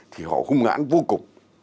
thì họ hung hãn vô cùng